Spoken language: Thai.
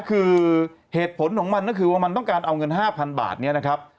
คือเหตุผลของมันก็คือว่ามันต้องการเอาเงิน๕๐๐บาทเนี่ยนะครับ